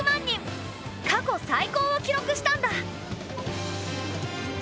過去最高を記録したんだ。